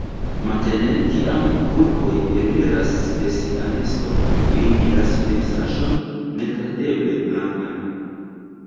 Matene, kiam vulpoj eliras de sia nesto, ili vidas pejzaĝon nekredeble blankan.